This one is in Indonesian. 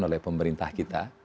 oleh pemerintah kita